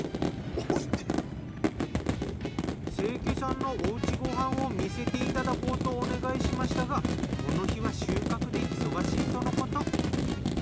清家さんのお家ご飯を見せていただこうとお願いしましたがこの日は収穫で忙しいとのこと。